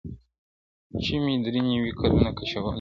چي مي دري نیوي کلونه کشوله!